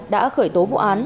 đã khởi tố vụ án